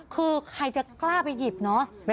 คือใครจะกล้าไปหยิบเนอะ